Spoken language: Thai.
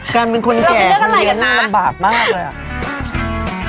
การเป็นคนแก่ของเรียนน่ารำบากมากเลยอะ